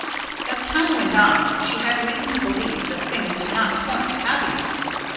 As time went on, she had reason to believe that things did not point to happiness.